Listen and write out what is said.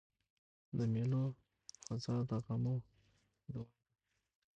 د مېلو فضا د غمو دوا ده.